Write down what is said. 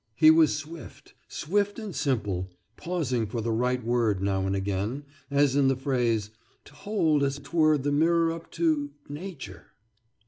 He was swift, swift and simple pausing for the right word now and again, as in the phrase "to hold as 't were the mirror up to nature."